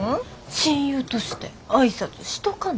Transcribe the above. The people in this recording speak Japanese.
親友として挨拶しとかな。